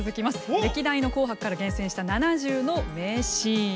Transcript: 歴代の「紅白」から厳選した７０の名シーン。